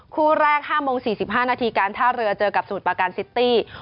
คู่แรก๕โมง๔๕นาทีการท่าเรือเจอกับสมุทรปาการซิตี้